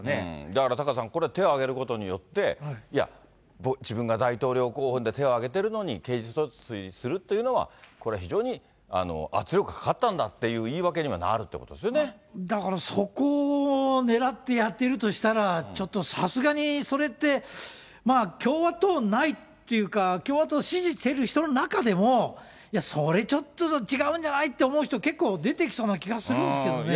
だからタカさん、これ、手を挙げることによって、いや、自分が大統領候補で手を挙げてるのに、刑事訴追するというのは、これ、非常に圧力がかかったんだという言い訳にはなるということですよだから、そこをねらってやってるとしたら、ちょっとさすがにそれって、まあ、共和党内っていうか、共和党支持している人の中でも、いや、それちょっと違うんじゃないって思う人、結構出てきそうな気するんですけどね。